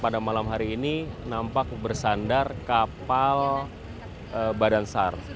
pada malam hari ini nampak bersandar kapal badan sar